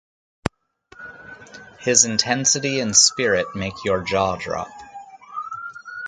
His intensity and spirit make your jaw drop.